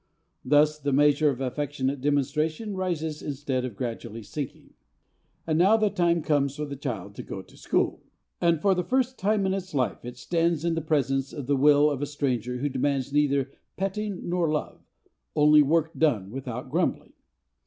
Thus the measure of affectionate demonstrations rises instead of gradually sinking. And now the time comes for the child to go to school. And for the first time in its life it stands in the presence of the will of a stranger who demands neither petting nor love, only work done without grumbling.